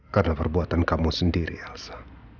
karena perbuatan kamu sendiri elsa